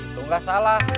itu gak salah